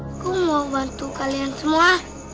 aku mau bantu kalian semua